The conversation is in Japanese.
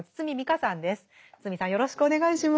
堤さんよろしくお願いします。